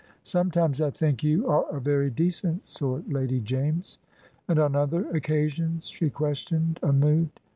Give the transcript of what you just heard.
"Sometimes I think you are a very decent sort, Lady James." "And on other occasions?" she questioned, unmoved.